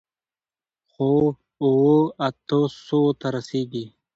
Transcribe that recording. خو، اوو، اتو سووو ته رسېږي.